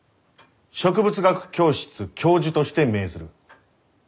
植物学教室教授として命ずる。